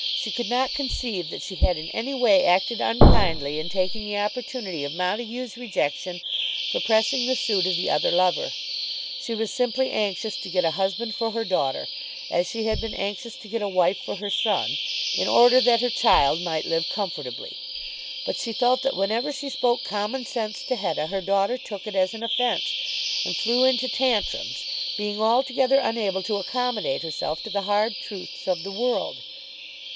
She could not conceive that she had in any way acted unkindly in taking the opportunity of Montague's rejection for pressing the suit of the other lover. She was simply anxious to get a husband for her daughter, as she had been anxious to get a wife for her son, in order that her child might live comfortably. But she felt that whenever she spoke common sense to Hetta, her daughter took it as an offence, and flew into tantrums, being altogether unable to accommodate herself to the hard truths of the world.